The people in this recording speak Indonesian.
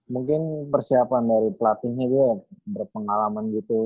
mungkin persiapan dari pelatihnya dia yang berpengalaman gitu